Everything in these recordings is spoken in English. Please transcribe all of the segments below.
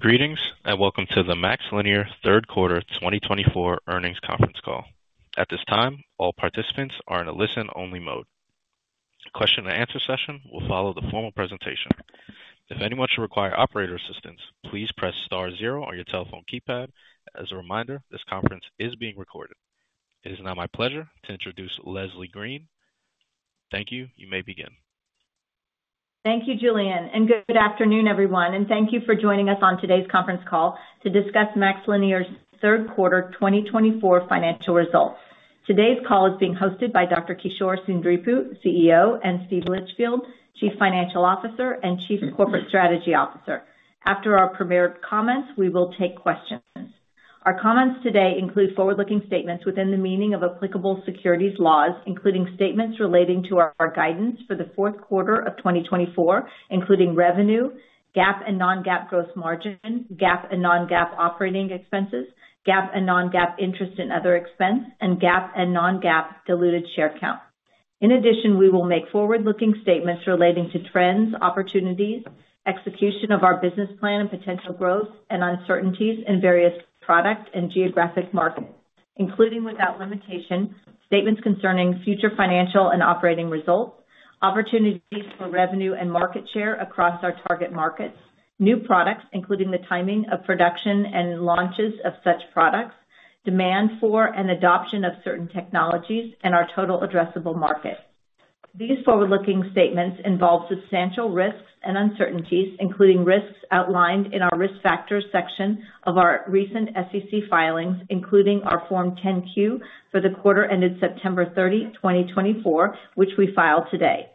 Greetings, and welcome to the MaxLinear Third Quarter 2024 Earnings Conference Call. At this time, all participants are in a listen-only mode. Question and answer session will follow the formal presentation. If anyone should require operator assistance, please press star zero on your telephone keypad. As a reminder, this conference is being recorded. It is now my pleasure to introduce Leslie Green. Thank you. You may begin. Thank you, Julian, and good afternoon, everyone, and thank you for joining us on today's conference call to discuss MaxLinear's third quarter twenty twenty-four financial results. Today's call is being hosted by Dr. Kishore Seendripu, CEO, and Steve Litchfield, Chief Financial Officer and Chief Corporate Strategy Officer. After our prepared comments, we will take questions. Our comments today include forward-looking statements within the meaning of applicable securities laws, including statements relating to our guidance for the fourth quarter of twenty twenty-four, including revenue, GAAP and non-GAAP, gross margin, GAAP and non-GAAP operating expenses, GAAP and non-GAAP interest and other expense, and GAAP and non-GAAP diluted share count. In addition, we will make forward-looking statements relating to trends, opportunities, execution of our business plan and potential growth and uncertainties in various product and geographic markets, including, without limitation, statements concerning future financial and operating results, opportunities for revenue and market share across our target markets, new products, including the timing of production and launches of such products, demand for and adoption of certain technologies, and our total addressable market. These forward-looking statements involve substantial risks and uncertainties, including risks outlined in our Risk Factors section of our recent SEC filings, including our Form 10-Q for the quarter ended September 30, 2024, which we filed today.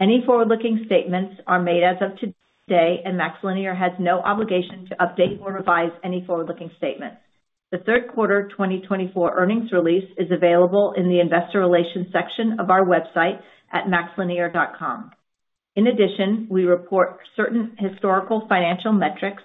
Any forward-looking statements are made as of today, and MaxLinear has no obligation to update or revise any forward-looking statements. The third quarter 2024 earnings release is available in the Investor Relations section of our website at maxlinear.com. In addition, we report certain historical financial metrics,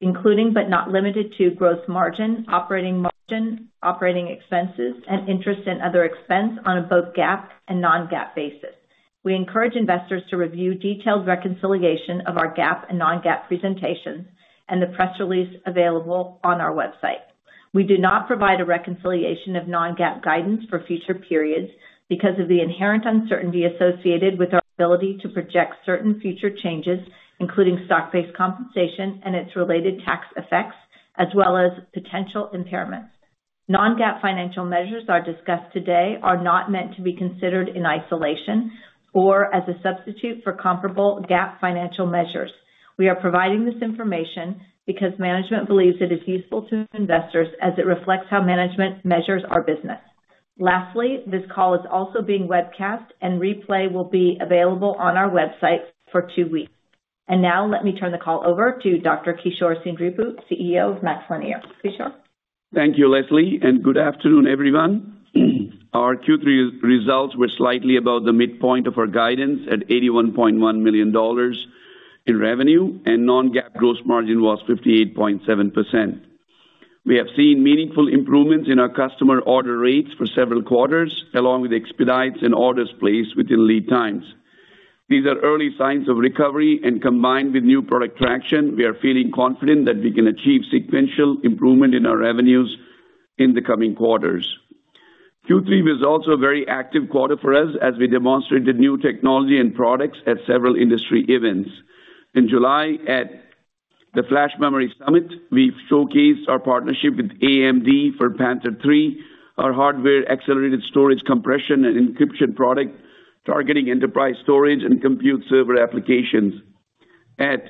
including, but not limited to, gross margin, operating margin, operating expenses, and interest and other expense on both GAAP and non-GAAP basis. We encourage investors to review detailed reconciliation of our GAAP and non-GAAP presentations and the press release available on our website. We do not provide a reconciliation of non-GAAP guidance for future periods because of the inherent uncertainty associated with our ability to project certain future changes, including stock-based compensation and its related tax effects, as well as potential impairments. Non-GAAP financial measures are discussed today are not meant to be considered in isolation or as a substitute for comparable GAAP financial measures. We are providing this information because management believes it is useful to investors as it reflects how management measures our business. Lastly, this call is also being webcast and replay will be available on our website for two weeks. And now let me turn the call over to Dr. Kishore Seendripu, CEO of MaxLinear. Kishore? Thank you, Leslie, and good afternoon, everyone. Our Q3 results were slightly above the midpoint of our guidance at $81.1 million in revenue, and non-GAAP gross margin was 58.7%. We have seen meaningful improvements in our customer order rates for several quarters, along with expedites and orders placed within lead times. These are early signs of recovery and combined with new product traction, we are feeling confident that we can achieve sequential improvement in our revenues in the coming quarters. Q3 was also a very active quarter for us as we demonstrated new technology and products at several industry events. In July, at the Flash Memory Summit, we showcased our partnership with AMD for Panther III, our hardware-accelerated storage, compression, and encryption product, targeting enterprise storage and compute server applications. At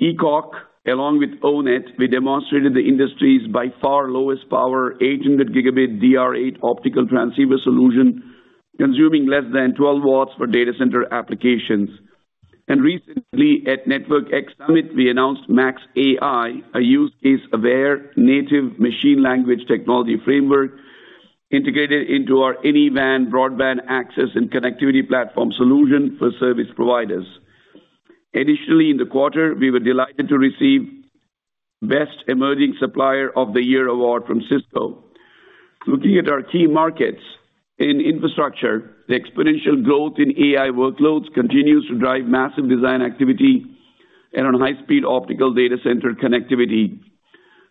ECOC, along with O-Net, we demonstrated the industry's by far lowest power, 800-gigabit DR8 optical transceiver solution, consuming less than 12 watts for data center applications. Recently, at Network X Summit, we announced MaxAI, a use case-aware native machine learning technology framework integrated into our AnyWAN broadband access and connectivity platform solution for service providers. Additionally, in the quarter, we were delighted to receive Best Emerging Supplier of the Year award from Cisco. Looking at our key markets. In infrastructure, the exponential growth in AI workloads continues to drive massive design activity in high-speed optical data center connectivity.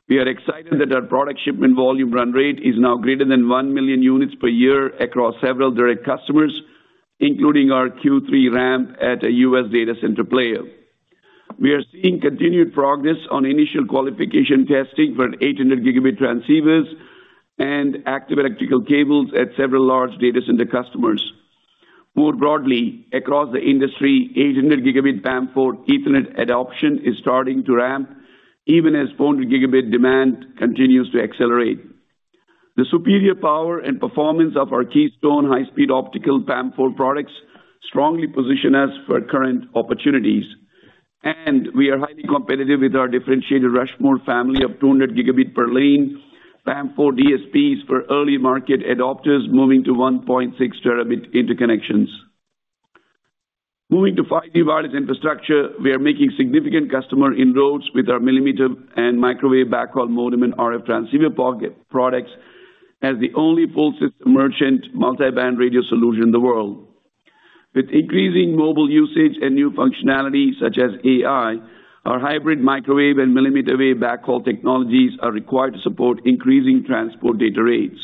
We are excited that our product shipment volume run rate is now greater than 1 million units per year across several direct customers, including our Q3 ramp at a U.S. data center player. We are seeing continued progress on initial qualification testing for 800-gigabit transceivers and active electrical cables at several large data center customers. More broadly, across the industry, 800-gigabit PAM4 Ethernet adoption is starting to ramp, even as 400-gigabit demand continues to accelerate. The superior power and performance of our Keystone high-speed optical PAM4 products strongly position us for current opportunities, and we are highly competitive with our differentiated Rushmore family of 200-gigabit per lane PAM4 DSPs for early market adopters, moving to 1.6-terabit interconnections. Moving to 5G wireless infrastructure, we are making significant customer inroads with our millimeter wave and microwave backhaul modem and RF transceiver products as the only full system merchant multiband radio solution in the world. With increasing mobile usage and new functionality, such as AI, our hybrid microwave and millimeter wave backhaul technologies are required to support increasing transport data rates.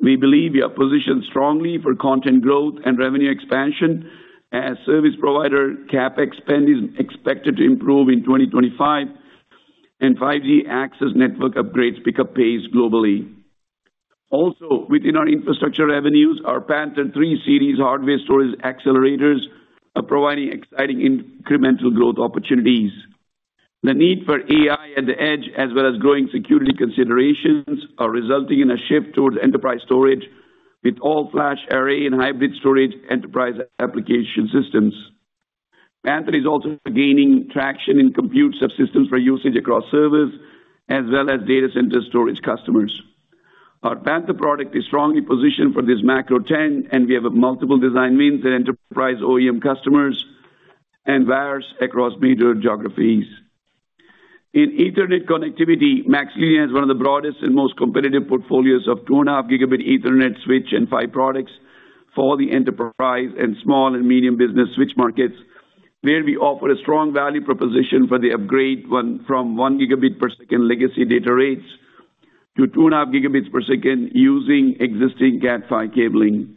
We believe we are positioned strongly for content growth and revenue expansion, as service provider CapEx spend is expected to improve in twenty twenty-five, and 5G access network upgrades pick up pace globally. Also, within our infrastructure revenues, our Panther III series hardware storage accelerators are providing exciting incremental growth opportunities. The need for AI at the edge, as well as growing security considerations, are resulting in a shift towards enterprise storage with all flash array and hybrid storage enterprise application systems. Panther is also gaining traction in compute subsystems for usage across servers as well as data center storage customers. Our Panther product is strongly positioned for this macro trend, and we have multiple design wins and enterprise OEM customers and wins across major geographies. In Ethernet connectivity, MaxLinear has one of the broadest and most competitive portfolios of two and a half gigabit Ethernet switch and PHY products for the enterprise and small and medium business switch markets, where we offer a strong value proposition for the upgrade from one gigabit per second legacy data rates to two and a half gigabits per second using existing Cat 5 cabling.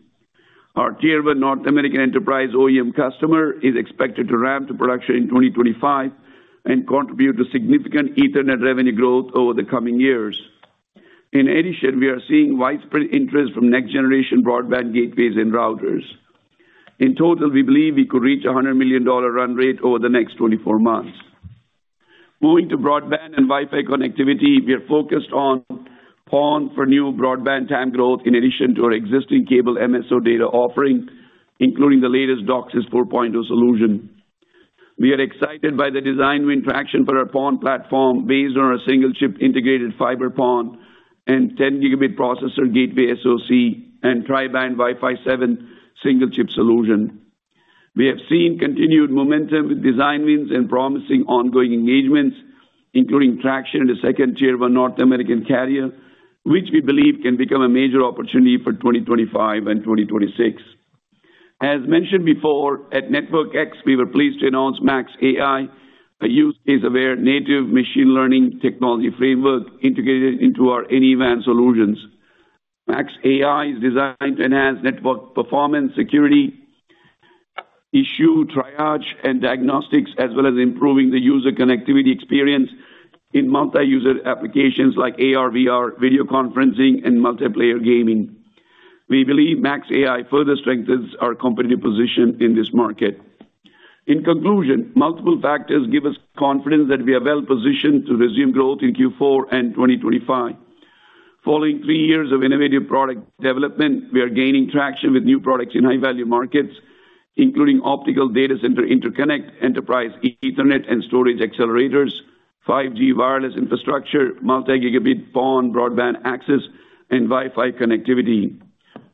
Our Tier 1 North American enterprise OEM customer is expected to ramp to production in twenty twenty-five and contribute to significant Ethernet revenue growth over the coming years. In addition, we are seeing widespread interest from next-generation broadband gateways and routers. In total, we believe we could reach a $100 million run rate over the next twenty-four months. Moving to broadband and Wi-Fi connectivity, we are focused on PON for new broadband TAM growth in addition to our existing cable MSO data offering, including the latest DOCSIS 4.0 solution. We are excited by the design-win traction for our PON platform based on our single-chip integrated fiber PON and 10-gigabit processor gateway SoC and tri-band Wi-Fi 7 single-chip solution. We have seen continued momentum with design wins and promising ongoing engagements, including traction in the second Tier 1 North American carrier, which we believe can become a major opportunity for 2025 and 2026. As mentioned before, at Network X, we were pleased to announce MaxAI, a use case-aware, native machine learning technology framework integrated into our AnyWAN solutions. Max AI is designed to enhance network performance, security, issue triage, and diagnostics, as well as improving the user connectivity experience in multi-user applications like AR/VR, video conferencing, and multiplayer gaming. We believe Max AI further strengthens our competitive position in this market. In conclusion, multiple factors give us confidence that we are well positioned to resume growth in Q4 and twenty twenty-five. Following three years of innovative product development, we are gaining traction with new products in high-value markets, including optical data center interconnect, enterprise Ethernet and storage accelerators, 5G wireless infrastructure, multi-gigabit PON, broadband access, and Wi-Fi connectivity.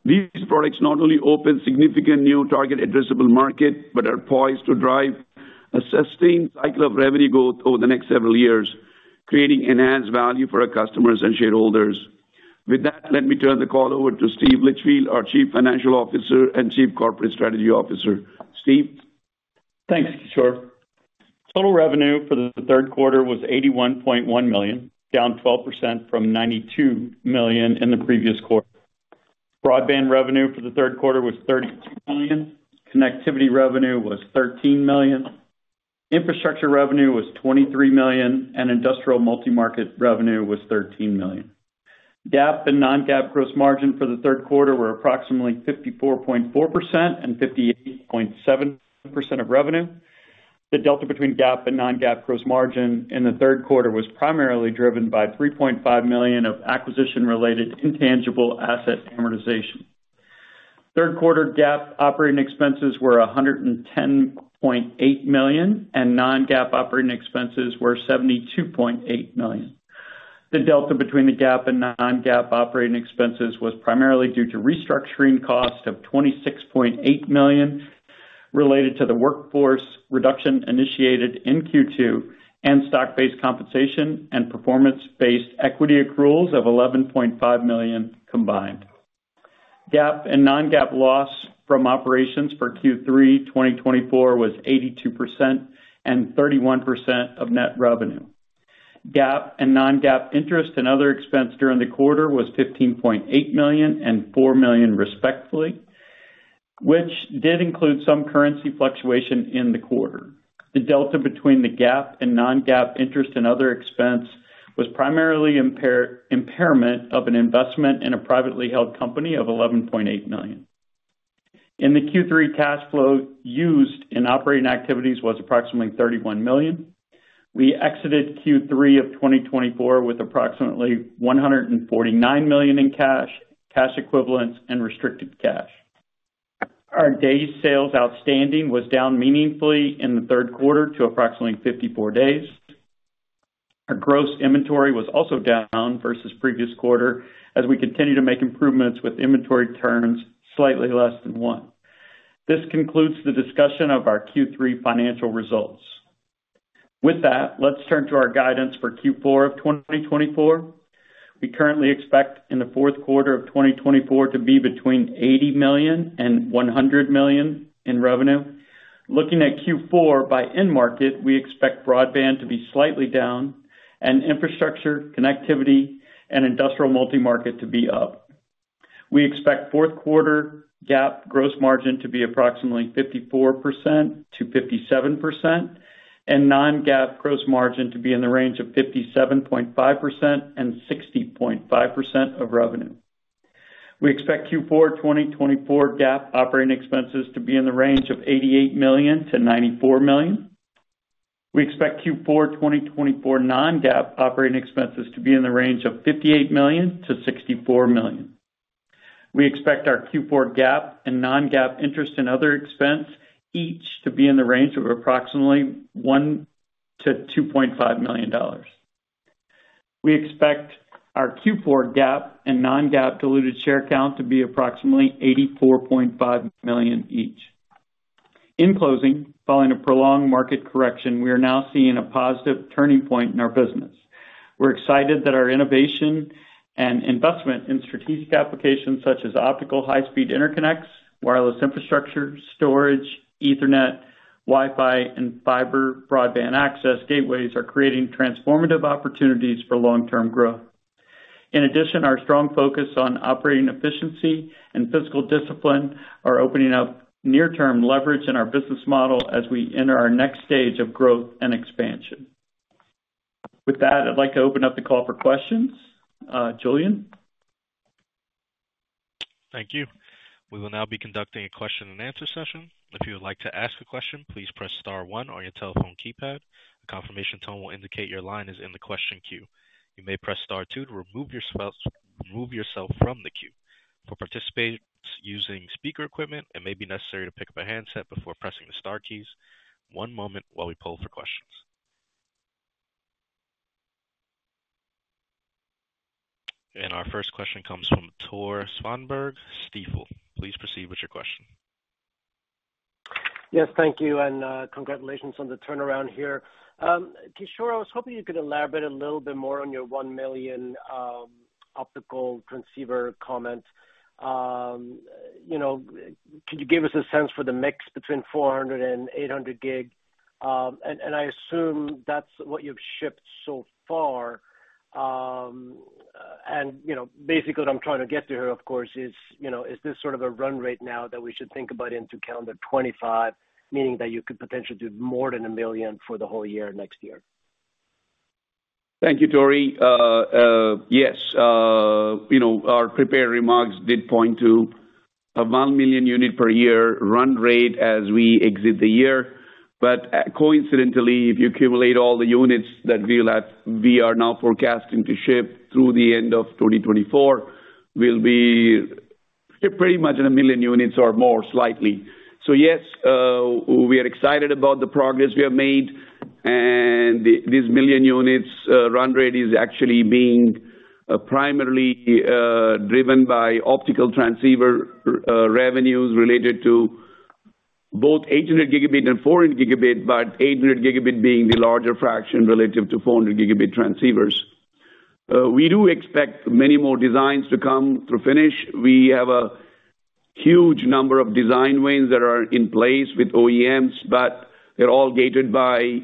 These products not only open significant new target addressable market, but are poised to drive a sustained cycle of revenue growth over the next several years, creating enhanced value for our customers and shareholders. With that, let me turn the call over to Steve Litchfield, our Chief Financial Officer and Chief Corporate Strategy Officer. Steve? Thanks, Kishore. Total revenue for the third quarter was $81.1 million, down 12% from $92 million in the previous quarter. Broadband revenue for the third quarter was $32 million. Connectivity revenue was $13 million. Infrastructure revenue was $23 million, and industrial multimarket revenue was $13 million. GAAP and non-GAAP gross margin for the third quarter were approximately 54.4% and 58.7% of revenue. The delta between GAAP and non-GAAP gross margin in the third quarter was primarily driven by $3.5 million of acquisition-related intangible asset amortization. Third quarter GAAP operating expenses were $110.8 million, and non-GAAP operating expenses were $72.8 million. The delta between the GAAP and non-GAAP operating expenses was primarily due to restructuring costs of $26.8 million related to the workforce reduction initiated in Q2 and stock-based compensation and performance-based equity accruals of $11.5 million combined. GAAP and non-GAAP loss from operations for Q3 2024 was 82% and 31% of net revenue. GAAP and non-GAAP interest and other expense during the quarter was $15.8 million and $4 million, respectively, which did include some currency fluctuation in the quarter. The delta between the GAAP and non-GAAP interest and other expense was primarily impairment of an investment in a privately held company of $11.8 million. In the Q3, cash flow used in operating activities was approximately $31 million. We exited Q3 of 2024 with approximately $149 million in cash, cash equivalents, and restricted cash. Our days sales outstanding was down meaningfully in the third quarter to approximately 54 days. Our gross inventory was also down versus previous quarter as we continue to make improvements with inventory turns slightly less than one. This concludes the discussion of our Q3 financial results. With that, let's turn to our guidance for Q4 of 2024. We currently expect in the fourth quarter of 2024 to be between $80 million and $100 million in revenue. Looking at Q4 by end market, we expect broadband to be slightly down and infrastructure, connectivity, and industrial multi-market to be up. We expect fourth quarter GAAP gross margin to be approximately 54%-57%, and non-GAAP gross margin to be in the range of 57.5% and 60.5% of revenue. We expect Q4 2024 GAAP operating expenses to be in the range of $88 million-$94 million. We expect Q4 2024 non-GAAP operating expenses to be in the range of $58 million-$64 million. We expect our Q4 GAAP and non-GAAP interest and other expense each to be in the range of approximately $1 million-$2.5 million. We expect our Q4 GAAP and non-GAAP diluted share count to be approximately 84.5 million each. In closing, following a prolonged market correction, we are now seeing a positive turning point in our business. We're excited that our innovation and investment in strategic applications, such as optical, high-speed interconnects, wireless infrastructure, storage, Ethernet, Wi-Fi, and fiber broadband access gateways, are creating transformative opportunities for long-term growth. In addition, our strong focus on operating efficiency and fiscal discipline are opening up near-term leverage in our business model as we enter our next stage of growth and expansion. With that, I'd like to open up the call for questions. Julian? Thank you. We will now be conducting a question-and-answer session. If you would like to ask a question, please press star one on your telephone keypad. A confirmation tone will indicate your line is in the question queue. You may press star two to remove yourself from the queue. For participants using speaker equipment, it may be necessary to pick up a handset before pressing the star keys. One moment while we poll for questions. And our first question comes from Tore Svanberg, Stifel. Please proceed with your question. Yes, thank you, and congratulations on the turnaround here. Kishore, I was hoping you could elaborate a little bit more on your one million optical transceiver comment. You know, could you give us a sense for the mix between 400 and 800 gig? And I assume that's what you've shipped so far. And you know, basically what I'm trying to get to here, of course, is you know, is this sort of a run rate now that we should think about into calendar 2025, meaning that you could potentially do more than a million for the whole year next year? Thank you, Tore. Yes, you know, our prepared remarks did point to a 1 million unit per year run rate as we exit the year. But, coincidentally, if you accumulate all the units that we'll have, we are now forecasting to ship through the end of 2024, we'll be pretty much 1 million units or more, slightly. So yes, we are excited about the progress we have made, and this million units run rate is actually being primarily driven by optical transceiver revenues related to both 800 gigabit and 400 gigabit, but 800 gigabit being the larger fraction relative to 400 gigabit transceivers. We do expect many more designs to come to finish. We have a huge number of design wins that are in place with OEMs, but they're all gated by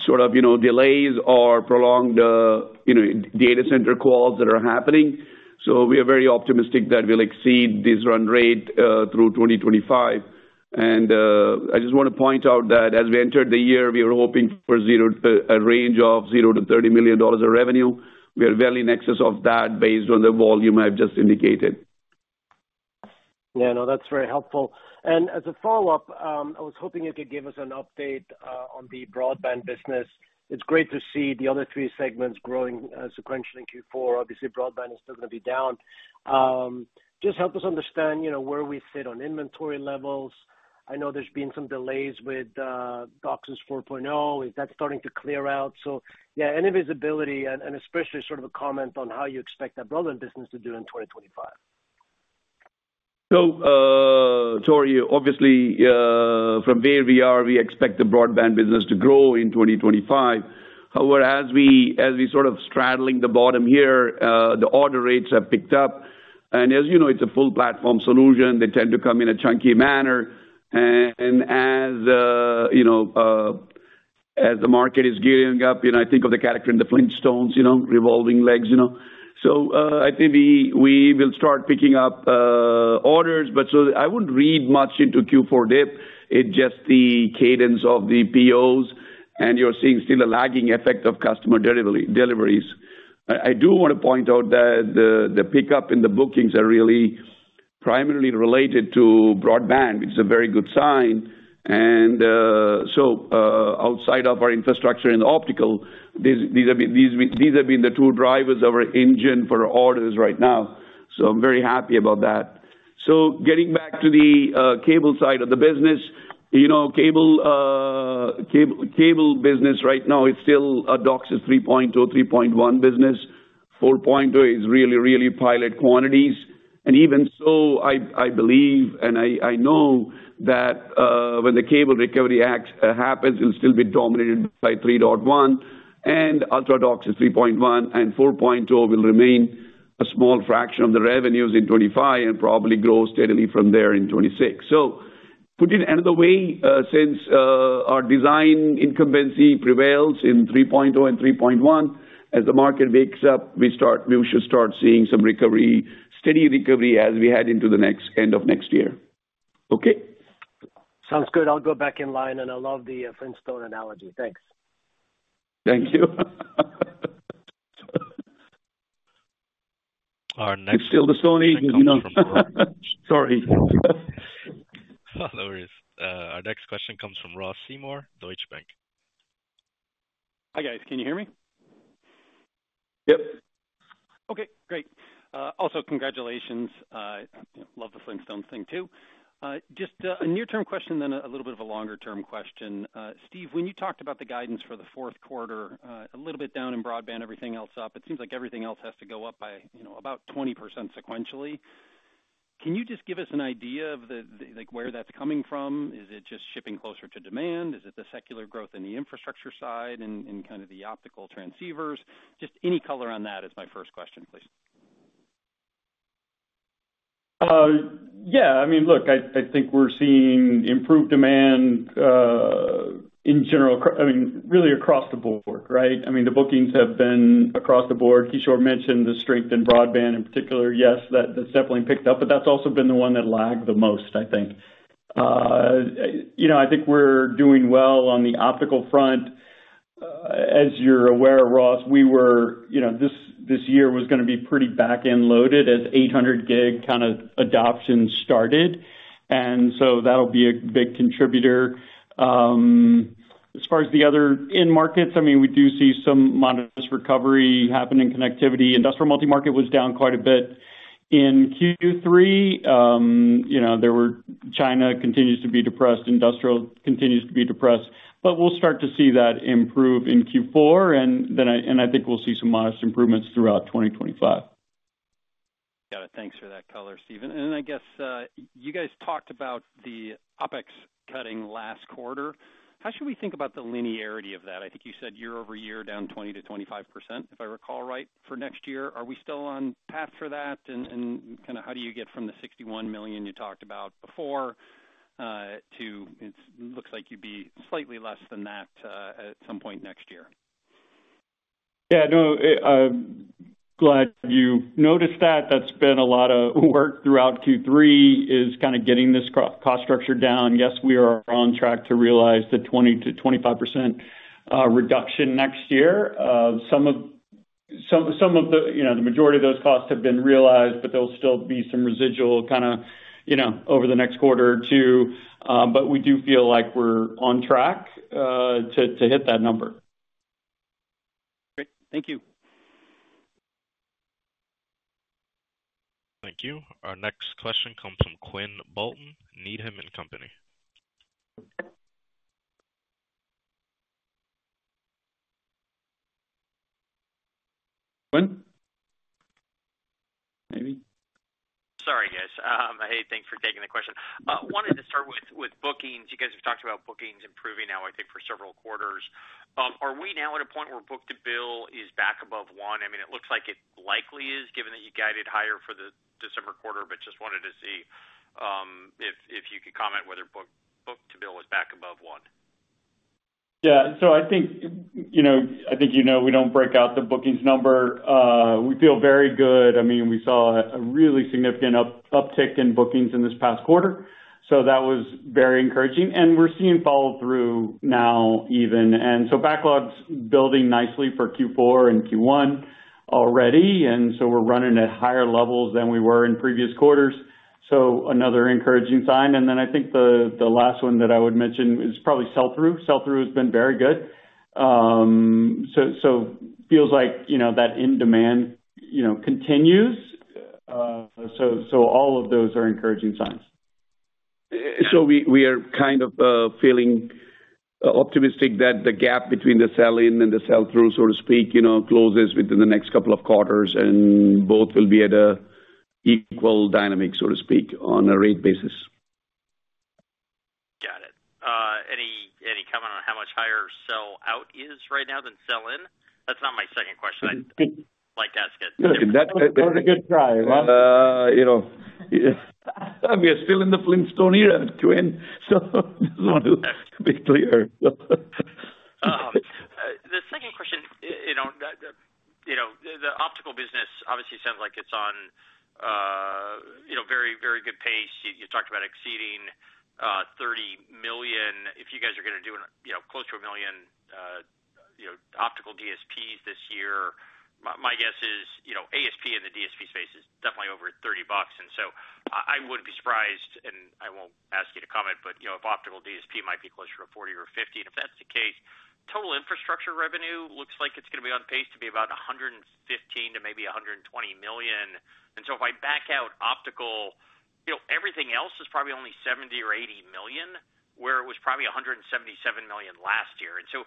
sort of, you know, delays or prolonged, you know, data center calls that are happening. So we are very optimistic that we'll exceed this run rate through 2025. I just want to point out that as we entered the year, we were hoping for a range of $0 to $30 million of revenue. We are well in excess of that based on the volume I've just indicated. Yeah, no, that's very helpful. And as a follow-up, I was hoping you could give us an update on the broadband business. It's great to see the other three segments growing sequentially in Q4. Obviously, broadband is still going to be down. Just help us understand, you know, where we sit on inventory levels. I know there's been some delays with DOCSIS 4.0. Is that starting to clear out? So, yeah, any visibility and especially sort of a comment on how you expect that broadband business to do in 2025. Tore, obviously, from where we are, we expect the broadband business to grow in 2025. However, as we sort of straddling the bottom here, the order rates have picked up, and as you know, it's a full platform solution. They tend to come in a chunky manner. And as you know, as the market is gearing up, you know, I think of the character in The Flintstones, you know, revolving legs, you know. I think we will start picking up orders, but I wouldn't read much into Q4 dip. It's just the cadence of the POs, and you're seeing still a lagging effect of customer delivery, deliveries. I do want to point out that the pickup in the bookings are really primarily related to broadband, which is a very good sign. Outside of our infrastructure and optical, these have been the two drivers of our engine for orders right now. So I'm very happy about that. So getting back to the cable side of the business. You know, cable business right now, it's still a DOCSIS three point oh, three point one business. 4.0 is really, really pilot quantities. And even so, I believe, and I know that when the Cable Recovery Act happens, it'll still be dominated by 3.1, and UltraDOC is 3.1, and 4.0 will remain a small fraction of the revenues in 2025 and probably grow steadily from there in 2026. Put it another way, since our design incumbency prevails in 3.0 and 3.1, as the market wakes up, we should start seeing some recovery, steady recovery as we head into the next, end of next year. Okay? Sounds good. I'll go back in line, and I love the Flintstone analogy. Thanks. Thank you. Our next- It's still the Stone Age, you know. Sorry. No worries. Our next question comes from Ross Seymour, Deutsche Bank. Hi, guys. Can you hear me? Yep. Okay, great. Also congratulations. Love the Flintstones thing, too. Just a near-term question, then a little bit of a longer-term question. Steve, when you talked about the guidance for the fourth quarter, a little bit down in broadband, everything else up, it seems like everything else has to go up by, you know, about 20% sequentially. Can you just give us an idea of like, where that's coming from? Is it just shipping closer to demand? Is it the secular growth in the infrastructure side and kind of the optical transceivers? Just any color on that is my first question, please. Yeah. I mean, look, I think we're seeing improved demand in general across the board, right? I mean, the bookings have been across the board. Kishore mentioned the strength in broadband in particular. Yes, that's definitely picked up, but that's also been the one that lagged the most, I think. You know, I think we're doing well on the optical front. As you're aware, Ross, we were, you know, this year was gonna be pretty back-end loaded as 800 gig kind of adoption started, and so that'll be a big contributor. As far as the other end markets, I mean, we do see some modest recovery happening in connectivity. Industrial multi-market was down quite a bit in Q3. You know, China continues to be depressed. Industrial continues to be depressed, but we'll start to see that improve in Q4, and then I think we'll see some modest improvements throughout 2025. Got it. Thanks for that color, Steven. And then, I guess, you guys talked about the OpEx cutting last quarter. How should we think about the linearity of that? I think you said year over year, down 20%-25%, if I recall right, for next year. Are we still on path for that? And kind of how do you get from the $61 million you talked about before, to it's, looks like you'd be slightly less than that, at some point next year. Yeah, no, I'm glad you noticed that. That's been a lot of work throughout Q3, is kind of getting this cost structure down. Yes, we are on track to realize the 20%-25% reduction next year. Some of the, you know, the majority of those costs have been realized, but there'll be some residual kind of, you know, over the next quarter or two. But we do feel like we're on track to hit that number. Great. Thank you. Thank you. Our next question comes from Quinn Bolton, Needham & Company. Quinn? Maybe. Sorry, guys. Hey, thanks for taking the question. Wanted to start with bookings. You guys have talked about bookings improving now, I think, for several quarters. Are we now at a point where book-to-bill is back above one? I mean, it looks like it likely is, given that you guided higher for the December quarter, but just wanted to see if you could comment whether book-to-bill was back above one. Yeah. So I think, you know, we don't break out the bookings number. We feel very good. I mean, we saw a really significant uptick in bookings in this past quarter, so that was very encouraging. And we're seeing follow-through now even. And so backlogs building nicely for Q4 and Q1 already, and so we're running at higher levels than we were in previous quarters, so another encouraging sign. And then I think the last one that I would mention is probably sell-through. Sell-through has been very good. So feels like, you know, that in-demand, you know, continues. So all of those are encouraging signs. We are kind of feeling optimistic that the gap between the sell-in and the sell-through, so to speak, you know, closes within the next couple of quarters, and both will be at a equal dynamic, so to speak, on a rate basis. Got it. Any comment on how much higher sell-out is right now than sell-in? That's not my second question. I'd like to ask it. That was a good try, Ross. You know, we are still in the Flintstone era, Quinn, so just want to be clear. The second question, you know, the optical business obviously sounds like it's on, you know, very, very good pace. You talked about exceeding 30 million. If you guys are gonna do, you know, close to 1 million, you know, optical DSPs this year, my guess is, you know, ASP in the DSP space is definitely over $30. And so I wouldn't be surprised, and I won't ask you to comment, but, you know, if optical DSP might be closer to 40 or 50. And if that's the case, total infrastructure revenue looks like it's gonna be on pace to be about $115 million to maybe $120 million. And so if I back out optical, you know, everything else is probably only $70-$80 million, where it was probably $177 million last year. And so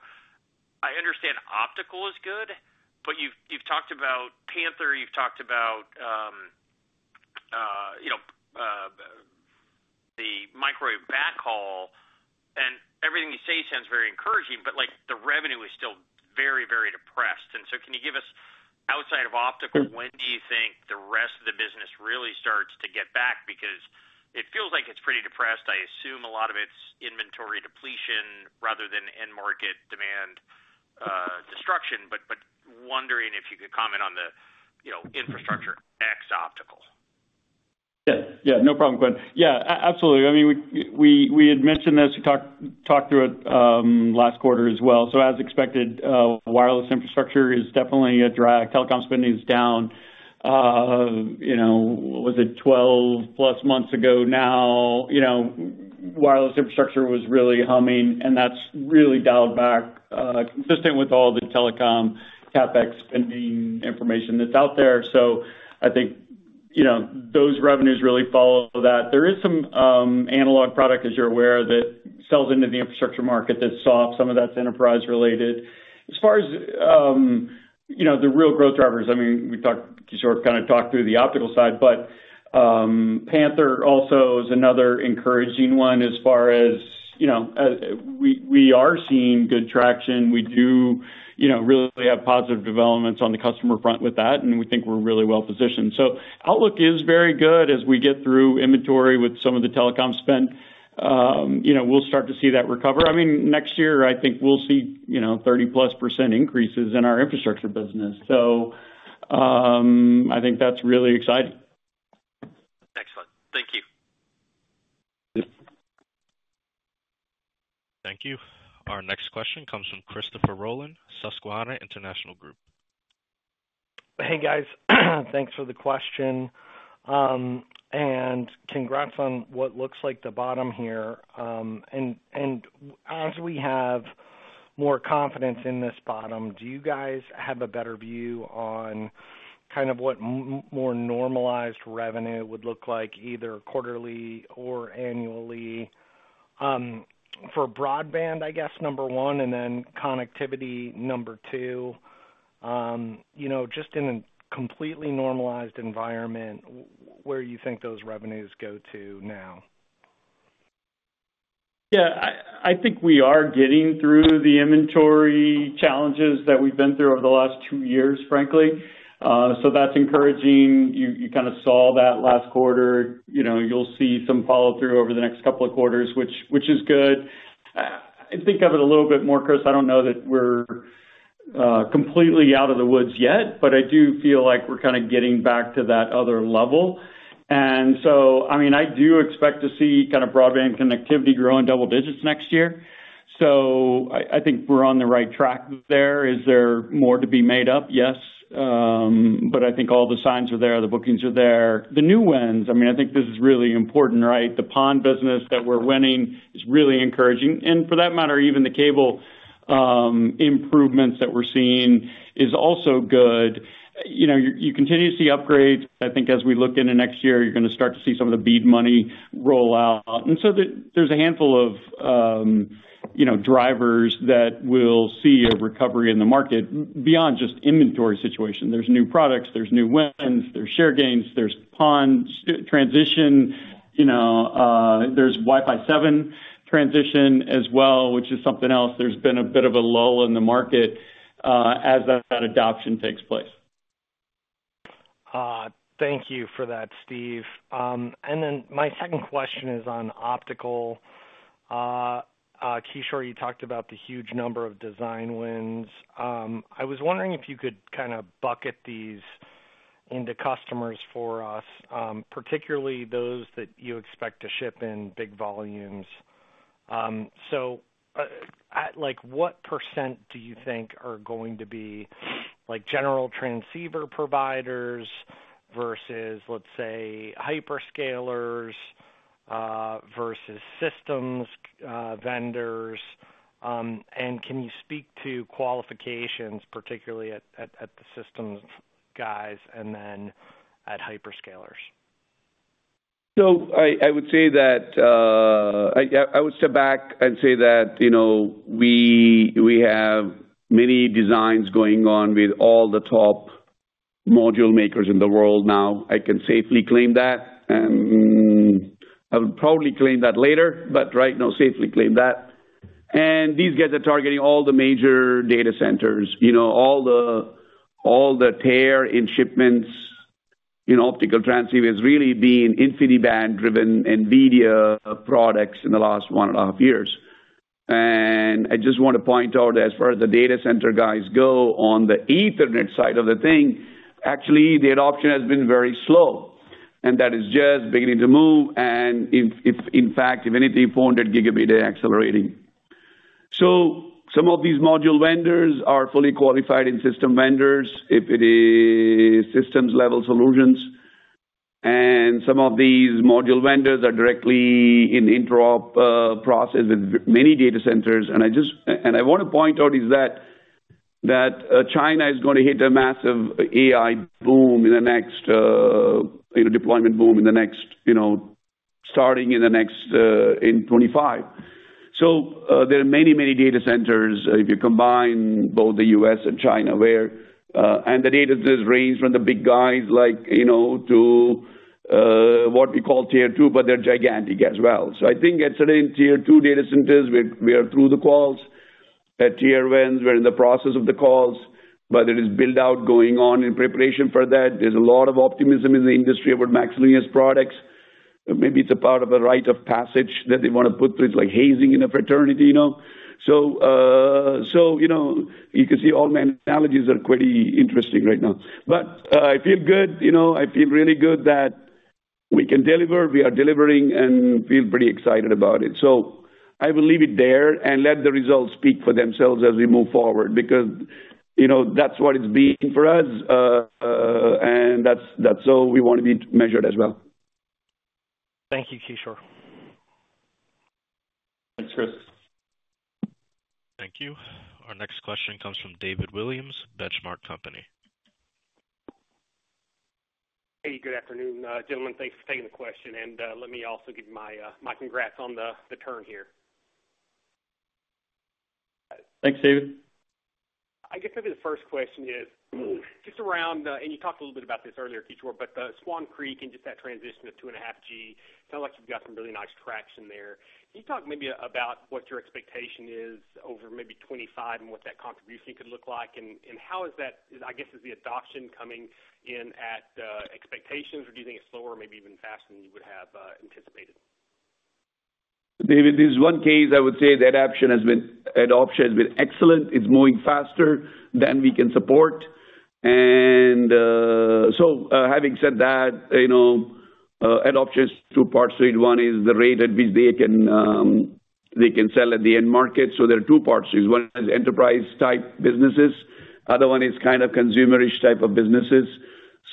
I understand optical is good, but you've talked about Panther, you've talked about the microwave backhaul, and everything you say sounds very encouraging, but, like, the revenue is still very, very depressed. And so can you give us, outside of optical, when do you think the rest of the business really starts to get back? Because it feels like it's pretty depressed. I assume a lot of it's inventory depletion rather than end market demand destruction. But wondering if you could comment on the, you know, infrastructure ex optical. Yeah. Yeah, no problem, Quinn. Yeah, absolutely. I mean, we had mentioned this, we talked through it last quarter as well. So as expected, wireless infrastructure is definitely a drag. Telecom spending is down. You know, was it twelve plus months ago now, you know, wireless infrastructure was really humming, and that's really dialed back, consistent with all the telecom CapEx spending information that's out there. So I think, you know, those revenues really follow that. There is some analog product, as you're aware, that sells into the infrastructure market that's soft. Some of that's enterprise related. As far as you know, the real growth drivers, I mean, we talked sort of, kind of, talked through the optical side, but Panther also is another encouraging one as far as, you know, we are seeing good traction. We do, you know, really have positive developments on the customer front with that, and we think we're really well positioned. So outlook is very good as we get through inventory with some of the telecom spend. You know, we'll start to see that recover. I mean, next year, I think we'll see, you know, 30-plus% increases in our infrastructure business. So, I think that's really exciting. Excellent. Thank you. Thank you. Our next question comes from Christopher Rolland, Susquehanna International Group. Hey, guys. Thanks for the question, and congrats on what looks like the bottom here. And as we have more confidence in this bottom, do you guys have a better view on kind of what more normalized revenue would look like, either quarterly or annually, for broadband, I guess, number one, and then connectivity, number two? You know, just in a completely normalized environment, where you think those revenues go to now? Yeah, I think we are getting through the inventory challenges that we've been through over the last two years, frankly. So that's encouraging. You kind of saw that last quarter. You know, you'll see some follow-through over the next couple of quarters, which is good. I think of it a little bit more, Chris. I don't know that we're completely out of the woods yet, but I do feel like we're kind of getting back to that other level, and so I mean, I do expect to see kind of broadband connectivity grow in double digits next year. So I think we're on the right track there. Is there more to be made up? Yes, but I think all the signs are there, the bookings are there. The new wins, I mean, I think this is really important, right? The PON business that we're winning is really encouraging, and for that matter, even the cable improvements that we're seeing is also good. You know, you continue to see upgrades. I think as we look into next year, you're gonna start to see some of the BEAD money roll out. And so there's a handful of, you know, drivers that will see a recovery in the market beyond just inventory situation. There's new products, there's new wins, there's share gains, there's PON transition, you know, there's Wi-Fi 7 transition as well, which is something else. There's been a bit of a lull in the market, as that adoption takes place. Thank you for that, Steve. And then my second question is on optical. Kishore, you talked about the huge number of design wins. I was wondering if you could kind of bucket these into customers for us, particularly those that you expect to ship in big volumes. So, at like, what % do you think are going to be, like, general transceiver providers versus, let's say, hyperscalers versus systems vendors? And can you speak to qualifications, particularly at the systems guys and then at hyperscalers? I would say that, you know, I would step back and say that, you know, we have many designs going on with all the top module makers in the world now. I can safely claim that, and I would probably claim that later, but right now, safely claim that. And these guys are targeting all the major data centers. You know, all the tier 1 shipments in optical transceiver has really been InfiniBand-driven NVIDIA products in the last one and a half years. And I just want to point out, as far as the data center guys go, on the Ethernet side of the thing, actually, the adoption has been very slow, and that is just beginning to move, and in fact, if anything, 400-gigabit, they are accelerating. Some of these module vendors are fully qualified in system vendors, if it is systems-level solutions. And some of these module vendors are directly in interop process in many data centers. And I want to point out that China is going to hit a massive AI boom in the next, you know, deployment boom in the next, you know, starting in the next, in 2025. So, there are many, many data centers, if you combine both the U.S. and China, where, and the data does range from the big guys, like, you know, to, what we call tier two, but they're gigantic as well. So I think yesterday in tier two data centers, we are through the calls. At tier one, we're in the process of the calls, but there is build-out going on in preparation for that. There's a lot of optimism in the industry about MaxLinear's products. Maybe it's a part of a rite of passage that they want to put through; it's like hazing in a fraternity, you know? So, so, you know, you can see all analogies are quite interesting right now. But, I feel good, you know; I feel really good that we can deliver, we are delivering, and feel pretty excited about it. So I will leave it there and let the results speak for themselves as we move forward, because, you know, that's what it's been for us, and that's, that's how we want to be measured as well. Thank you, Kishore. Thanks, Chris. Thank you. Our next question comes from David Williams, Benchmark Company. Hey, good afternoon, gentlemen. Thanks for taking the question, and let me also give my congrats on the turn here. Thanks, David. I guess maybe the first question is, just around, and you talked a little bit about this earlier, Kishore, but the Swan Creek and just that transition to two and a half G. Sound like you've got some really nice traction there. Can you talk maybe about what your expectation is over maybe twenty-five and what that contribution could look like? And how is that... I guess, is the adoption coming in at expectations, or do you think it's slower, maybe even faster than you would have anticipated? David, this is one case I would say the adoption has been excellent. It's moving faster than we can support. And so, having said that, you know, adoption is two parts to it. One is the rate at which they can sell at the end market. So there are two parts to this. One is enterprise type businesses, other one is kind of consumerish type of businesses.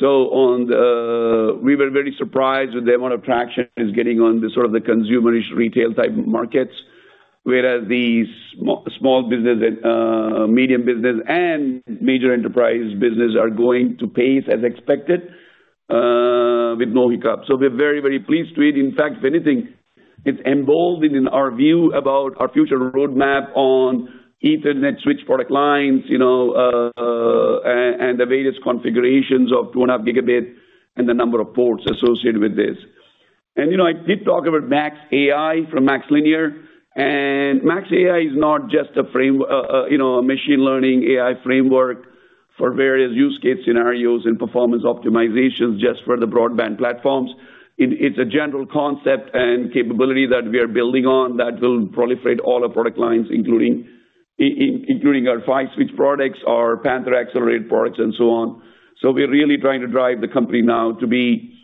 So we were very surprised with the amount of traction is getting on the sort of the consumerish retail type markets, whereas the small business and medium business and major enterprise business are going at pace as expected, with no hiccup. So we're very, very pleased with it. In fact, if anything, it's emboldened in our view about our future roadmap on Ethernet switch product lines, you know, and the various configurations of two and a half gigabit and the number of ports associated with this. And, you know, I did talk about MaxAI from MaxLinear, and MaxAI is not just a machine learning AI framework for various use case scenarios and performance optimizations just for the broadband platforms. It, it's a general concept and capability that we are building on that will proliferate all our product lines, including our five switch products, our Panther accelerated products, and so on. So we're really trying to drive the company now to be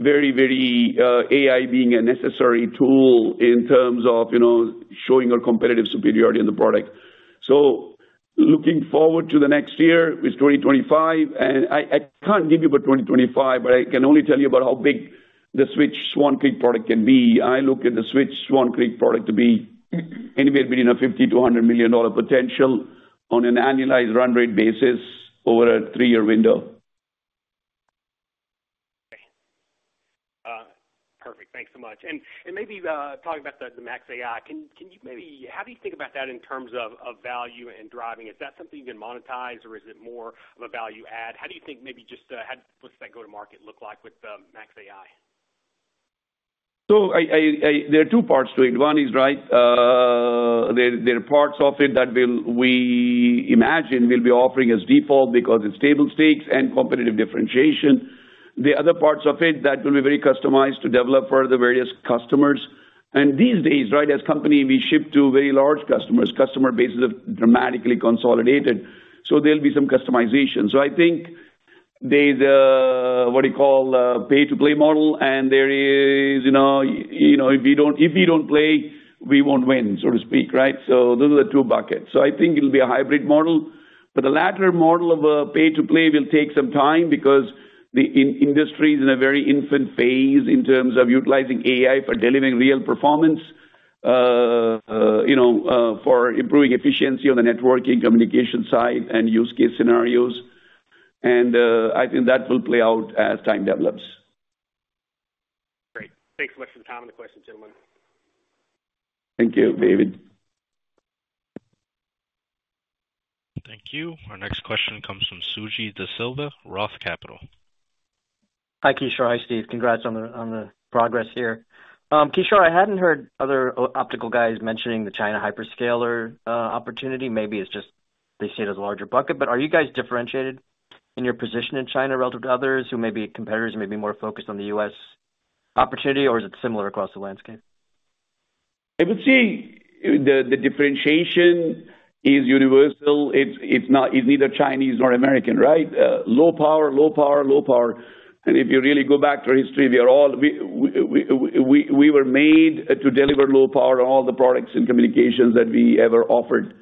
very, very, AI being a necessary tool in terms of, you know, showing our competitive superiority in the product. So looking forward to the next year, it's 2025, and I can't give you about 2025, but I can only tell you about how big the switch Swan Creek product can be. I look at the switch Swan Creek product to be anywhere between $50 million to $100 million potential on an annualized run rate basis over a three-year window. Perfect. Thanks so much. And maybe talking about the Max AI, can you maybe, how do you think about that in terms of value and driving? Is that something you can monetize or is it more of a value add? How do you think maybe just how does that go to market look like with the Max AI? There are two parts to it. One is, right, there are parts of it that will, we imagine, will be offering as default because it's table stakes and competitive differentiation. The other parts of it, that will be very customized to develop for the various customers. And these days, right, as a company, we ship to very large customers. Customer base is dramatically consolidated, so there'll be some customization. So I think there's, what you call, pay-to-play model, and there is, you know, if we don't play, we won't win, so to speak, right? So those are the two buckets. So I think it'll be a hybrid model, but the latter model of a pay to play will take some time because the industry is in a very infant phase in terms of utilizing AI for delivering real performance, you know, for improving efficiency on the networking communication side and use case scenarios. And, I think that will play out as time develops. Great. Thanks so much for the time and the questions, gentlemen. Thank you, David. Thank you. Our next question comes from Suji Desilva, Roth Capital. Hi, Kishore. Hi, Steve. Congrats on the progress here. Kishore, I hadn't heard other optical guys mentioning the China hyperscaler opportunity. Maybe it's just they see it as a larger bucket. But are you guys differentiated in your position in China relative to others who may be competitors, who may be more focused on the U.S. opportunity, or is it similar across the landscape? I would say the differentiation is universal. It's not, it's neither Chinese nor American, right? Low power, low power, low power. And if you really go back to history, we were made to deliver low power on all the products and communications that we ever offered.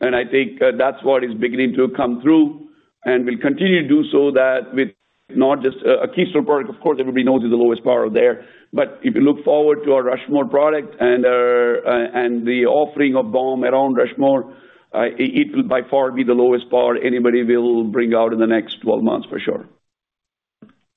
And I think that's what is beginning to come through... and we'll continue to do so that with not just a Keystone product, of course, everybody knows is the lowest power there. But if you look forward to our Rushmore product and the offering of BOM around Rushmore, it will by far be the lowest power anybody will bring out in the next twelve months, for sure.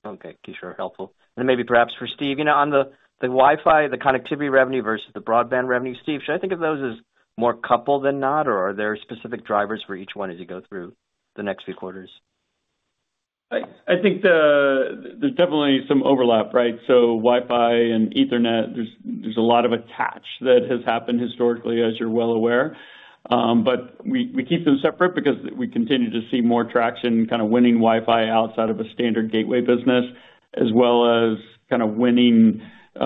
Okay, Kishore, helpful. And maybe perhaps for Steve, you know, on the Wi-Fi, the connectivity revenue versus the broadband revenue. Steve, should I think of those as more coupled than not, or are there specific drivers for each one as you go through the next few quarters? I think there's definitely some overlap, right? So Wi-Fi and Ethernet, there's a lot of attach that has happened historically, as you're well aware. But we keep them separate because we continue to see more traction, kind of, winning Wi-Fi outside of a standard gateway business, as well as kind of winning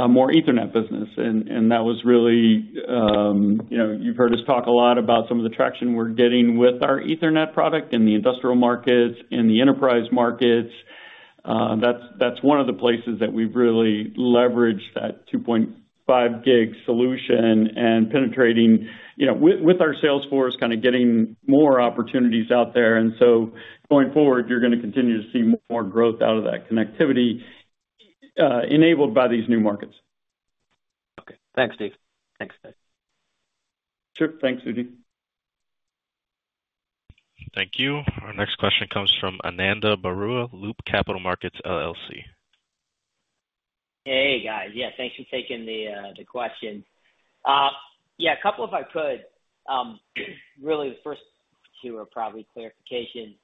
more Ethernet business. And that was really, you know, you've heard us talk a lot about some of the traction we're getting with our Ethernet product in the industrial markets, in the enterprise markets. That's one of the places that we've really leveraged that two point five gig solution and penetrating, you know, with our sales force, kind of, getting more opportunities out there. Going forward, you're going to continue to see more growth out of that connectivity enabled by these new markets. Okay. Thanks, Steve. Thanks, guys. Sure. Thanks, Suji. Thank you. Our next question comes from Ananda Baruah, Loop Capital Markets, LLC. Hey, guys. Yeah, thanks for taking the question. Yeah, a couple, if I could. Really, the first two are probably clarification.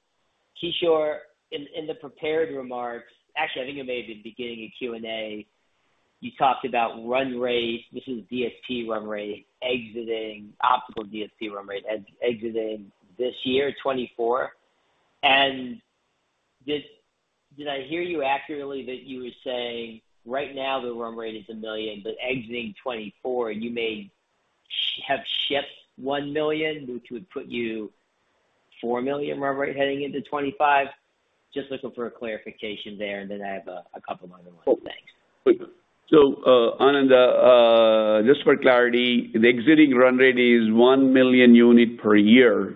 Kishore, in the prepared remarks. Actually, I think it may have been beginning of Q&A, you talked about run rate, this is DSP run rate, exiting optical DSP run rate, exiting this year, 2024. And did I hear you accurately that you were saying, right now the run rate is a million, but exiting 2024, you may have shipped one million, which would put you four million run rate heading into 2025? Just looking for a clarification there, and then I have a couple other ones. Thanks. So, Ananda, just for clarity, the existing run rate is one million unit per year,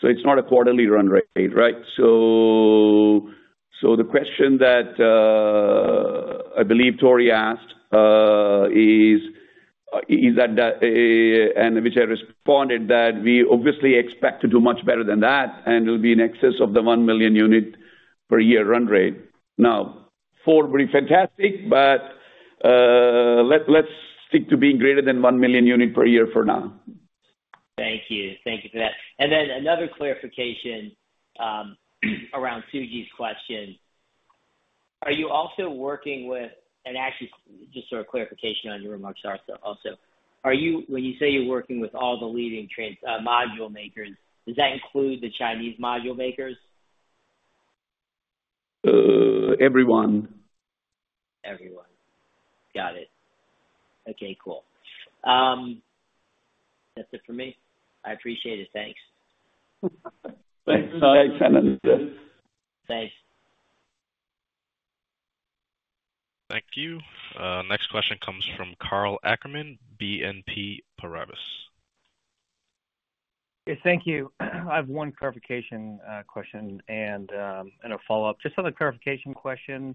so it's not a quarterly run rate, right? So, the question that I believe Tore asked is that the... And which I responded, that we obviously expect to do much better than that, and it'll be in excess of the one million unit per year run rate. Now, four would be fantastic, but, let's stick to being greater than one million unit per year for now. Thank you. Thank you for that. And then another clarification around Suji's question: Are you also working with-- and actually, just sort of clarification on your remarks also. Are you-- when you say you're working with all the leading transceiver module makers, does that include the Chinese module makers? Uh, everyone. Everyone. Got it. Okay, cool. That's it for me. I appreciate it. Thanks. Thanks. Thanks, Ananda. Thanks. Thank you. Next question comes from Karl Ackerman, BNP Paribas. Yes, thank you. I have one clarification question and a follow-up. Just on the clarification question,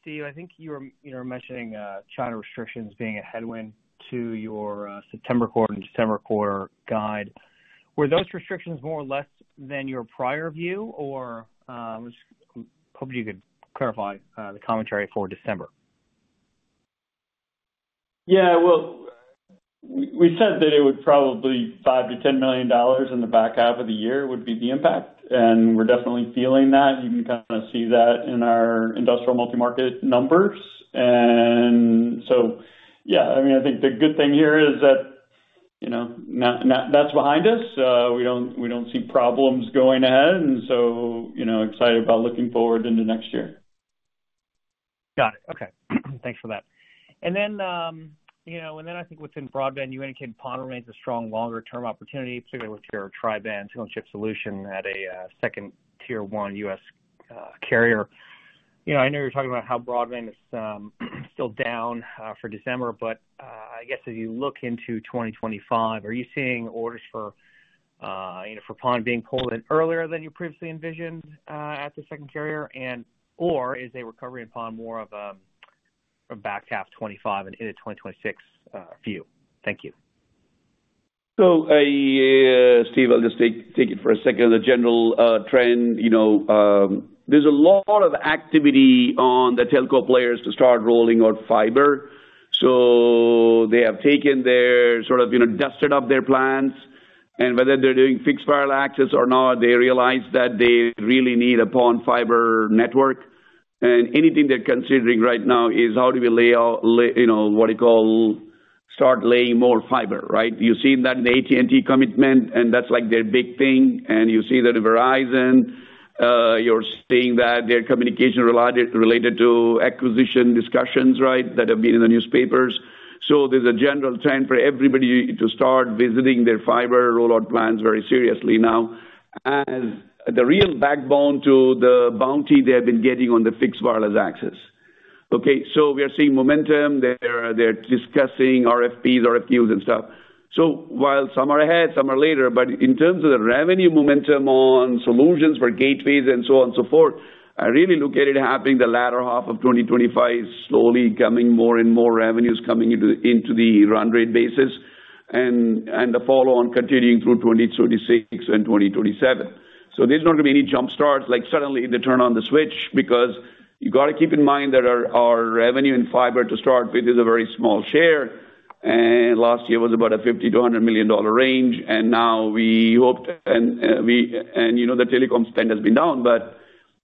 Steve, I think you were, you know, mentioning China restrictions being a headwind to your September quarter and December quarter guide. Were those restrictions more or less than your prior view? Or, hoping you could clarify the commentary for December. Yeah, well, we said that it would probably $5 million-$10 million in the back half of the year would be the impact, and we're definitely feeling that. You can kind of see that in our industrial multi-market numbers. And so, yeah, I mean, I think the good thing here is that, you know, now that's behind us, we don't see problems going ahead. And so, you know, excited about looking forward into next year. Got it. Okay. Thanks for that. And then, you know, and then I think what's in broadband, you indicated PON remains a strong longer term opportunity, particularly with your tri-band solution at a second Tier 1 U.S. carrier. You know, I know you're talking about how broadband is still down for December, but I guess as you look into twenty twenty-five, are you seeing orders for, you know, for PON being pulled in earlier than you previously envisioned at the second carrier? And, or is a recovery in PON more of a back half twenty-five and into twenty twenty-six view? Thank you. So, Steve, I'll just take it for a second. The general trend, you know, there's a lot of activity on the telco players to start rolling out fiber. So they have taken their sort of, you know, dusted off their plans, and whether they're doing fixed wireless access or not, they realize that they really need a PON fiber network. And anything they're considering right now is how do we lay out, you know, what you call, start laying more fiber, right? You've seen that in AT&T commitment, and that's like their big thing. And you see that in Verizon, you're seeing that their communications-related to acquisition discussions, right, that have been in the newspapers. There's a general trend for everybody to start visiting their fiber rollout plans very seriously now, as the real backbone to the bounty they have been getting on the fixed wireless access. Okay, so we are seeing momentum there. They're discussing RFPs, RFQs, and stuff. So while some are ahead, some are later, but in terms of the revenue momentum on solutions for gateways and so on and so forth, I really look at it happening the latter half of twenty twenty-five, slowly coming more and more revenues coming into the run rate basis and the follow-on continuing through twenty thirty-six and twenty thirty-seven. So there's not gonna be any jump starts, like suddenly they turn on the switch, because you got to keep in mind that our revenue in fiber to start with is a very small share, and last year was about a $50 million-$100 million range. And now we hope and, you know, the telecom spend has been down, but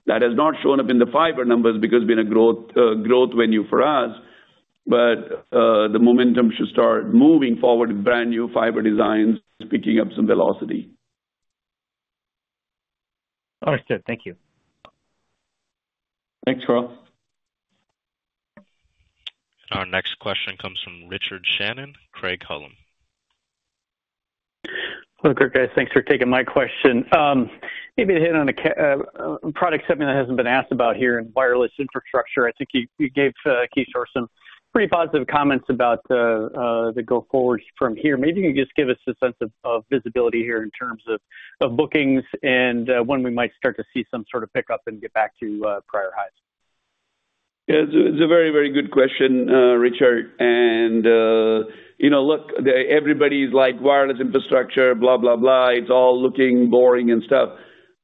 that has not shown up in the fiber numbers because it's been a growth venue for us. But the momentum should start moving forward in brand new fiber designs, picking up some velocity. All right, good. Thank you. Thanks, Carl. Our next question comes from Richard Shannon, Craig-Hallum. Hello, good guys. Thanks for taking my question. Maybe to hit on a product segment that hasn't been asked about here in wireless infrastructure. I think you gave Kishore some pretty positive comments about the go forward from here. Maybe you can just give us a sense of visibility here in terms of bookings and when we might start to see some sort of pickup and get back to prior highs. Yeah, it's a very, very good question, Richard. And, you know, look, everybody's like wireless infrastructure, blah, blah, blah, it's all looking boring and stuff,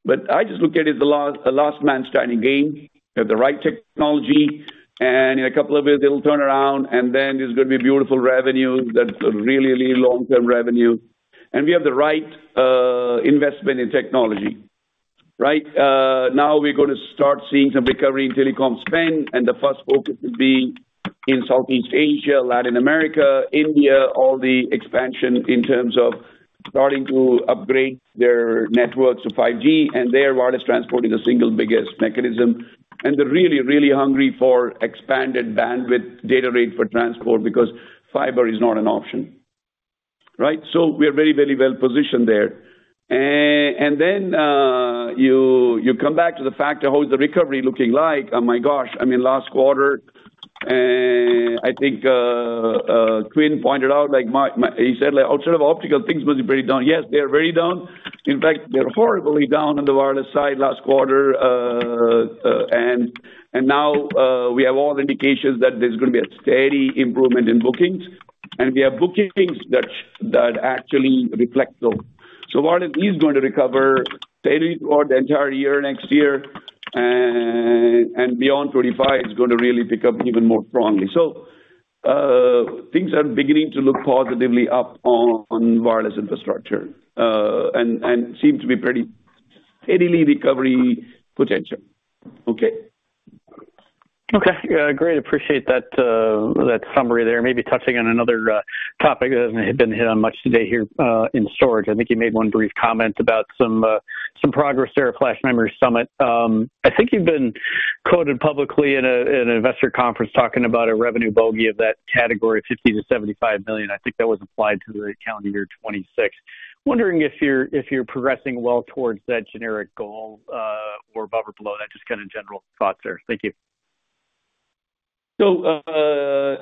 but I just look at it as the last man standing game. Have the right technology, and in a couple of years, it'll turn around, and then there's gonna be beautiful revenue that's really long-term revenue. And we have the right investment in technology, right? Now we're gonna start seeing some recovery in telecom spend, and the first focus will be in Southeast Asia, Latin America, India, all the expansion in terms of starting to upgrade their networks to 5G, and their wireless transport is the single biggest mechanism. And they're really, really hungry for expanded bandwidth data rate for transport because fiber is not an option, right? So we are very, very well positioned there. And then you come back to the fact of how is the recovery looking like? Oh, my gosh, I mean, last quarter, and I think Quinn pointed out, like. He said, like, outside of optical, things were very down. Yes, they are very down. In fact, they're horribly down on the wireless side last quarter. And now we have all indications that there's gonna be a steady improvement in bookings, and we have bookings that actually reflect those. So wireless is going to recover steadily throughout the entire year, next year, and beyond twenty-five, it's gonna really pick up even more strongly. So things are beginning to look positively up on wireless infrastructure, and seem to be pretty steadily recovery potential. Okay? Okay, great. Appreciate that, that summary there. Maybe touching on another, topic that hasn't been hit on much today here, in storage. I think you made one brief comment about some progress there at Flash Memory Summit. I think you've been quoted publicly in an investor conference talking about a revenue bogey of that category of $50 million-$75 million. I think that was applied to the calendar year 2026. Wondering if you're progressing well towards that generic goal, or above or below that, just kind of general thoughts there. Thank you. So,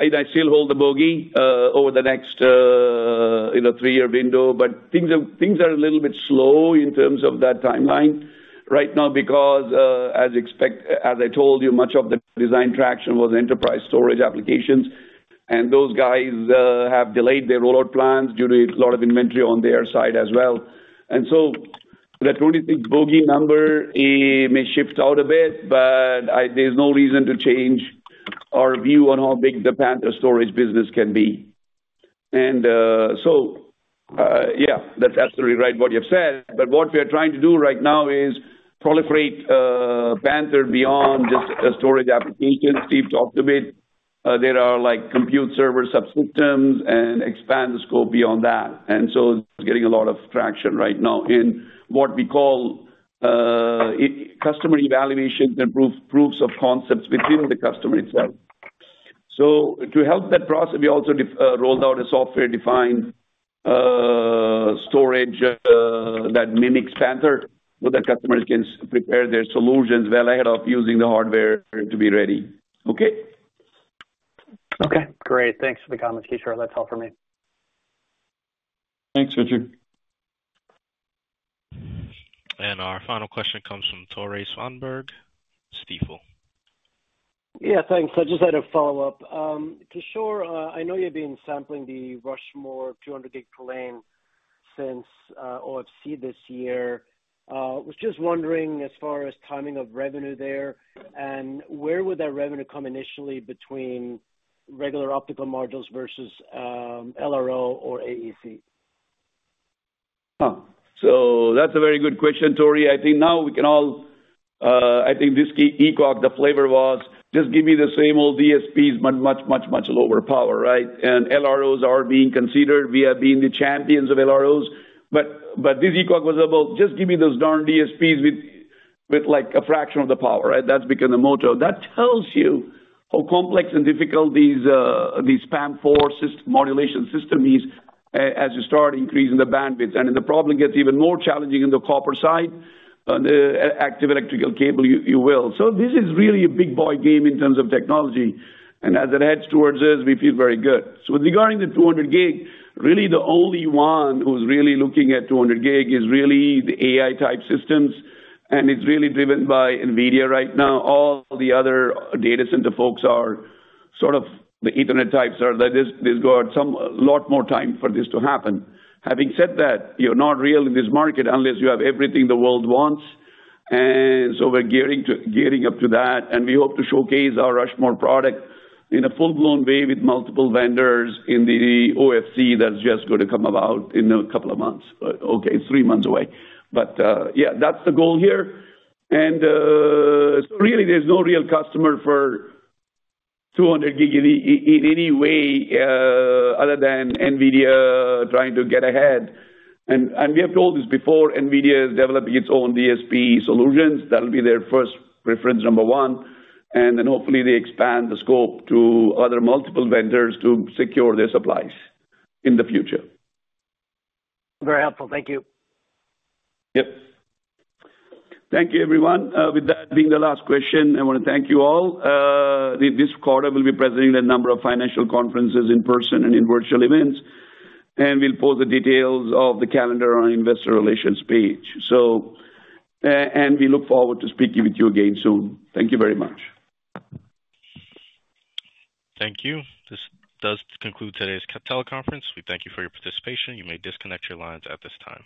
I'd still hold the bogey over the next, you know, three-year window, but things are, things are a little bit slow in terms of that timeline right now, because as I told you, much of the design traction was enterprise storage applications, and those guys have delayed their rollout plans due to a lot of inventory on their side as well. And so that twenty-six bogey number, it may shift out a bit, but I... There's no reason to change our view on how big the Panther storage business can be. And so yeah, that's absolutely right, what you have said, but what we are trying to do right now is proliferate Panther beyond just a storage application. Steve talked a bit. There are, like, compute server subsystems and expand the scope beyond that. It's getting a lot of traction right now in what we call customer evaluations and proofs of concepts between the customer itself. To help that process, we also rolled out a software-defined storage that mimics Panther, so that customers can prepare their solutions well ahead of using the hardware to be ready. Okay? Okay, great. Thanks for the comment, Kishore. That's all for me. Thanks, Richard. Our final question comes from Tore Svanberg, Stifel. Yeah, thanks. I just had a follow-up. Kishore, I know you've been sampling the Rushmore 200 gig per lane since OFC this year. Was just wondering, as far as timing of revenue there, and where would that revenue come initially between regular optical modules versus LRO or AEC? That's a very good question, Tore. I think now we can all. I think this ECOC, the flavor was, "Just give me the same old DSPs, but much, much, much lower power," right? And LROs are being considered. We have been the champions of LROs, but this ECOC was about just give me those darn DSPs with, with, like, a fraction of the power, right? That's become the motto. That tells you how complex and difficult these PAM4 modulation systems are as you start increasing the bandwidth. And the problem gets even more challenging in the copper side, the active electrical cable, you will. So this is really a big boy game in terms of technology, and as it heads towards us, we feel very good. Regarding the two hundred gig, really the only one who's really looking at two hundred gig is really the AI type systems, and it's really driven by NVIDIA right now. All the other data center folks are sort of the Ethernet types, are like, this, this got some lot more time for this to happen. Having said that, you're not really in this market unless you have everything the world wants, and so we're gearing up to that, and we hope to showcase our Rushmore product in a full-blown way with multiple vendors in the OFC that's just going to come about in a couple of months. Okay, it's three months away. But yeah, that's the goal here. And so really, there's no real customer for two hundred gig in any way other than NVIDIA trying to get ahead. We have told this before. NVIDIA is developing its own DSP solutions. That'll be their first reference, number one, and then hopefully they expand the scope to other multiple vendors to secure their supplies in the future. Very helpful. Thank you. Yep. Thank you, everyone. With that being the last question, I want to thank you all. This quarter, we'll be presenting a number of financial conferences in person and in virtual events, and we'll post the details of the calendar on our investor relations page. So, and we look forward to speaking with you again soon. Thank you very much. Thank you. This does conclude today's conference call. We thank you for your participation. You may disconnect your lines at this time.